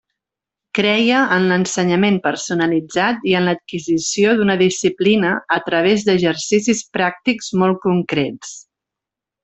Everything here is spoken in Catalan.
Creia en l’ensenyament personalitzat i en l’adquisició d’una disciplina a través d’exercicis pràctics molt concrets.